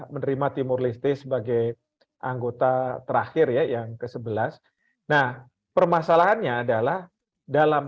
menerima timur leste sebagai anggota terakhir ya yang ke sebelas nah permasalahannya adalah dalam